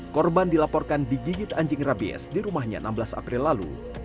korban dilaporkan digigit anjing rabies di rumahnya enam belas april lalu